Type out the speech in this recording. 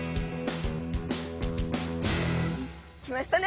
来ましたね！